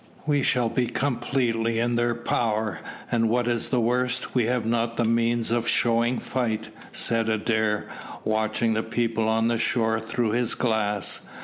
"We shall be completely in their power, and, what is the worst, we have not the means of showing fight," said Adair, watching the people on the shore through his glass.